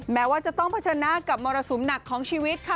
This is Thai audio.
แม้ว่าจะต้องประชนนาคมมรสุมหนักของชีวิตค่ะ